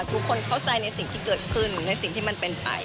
ทุกคนเข้าใจในสิ่งที่เกิดขึ้นในสิ่งที่มันเป็นไป